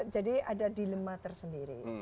jadi ada dilema tersendiri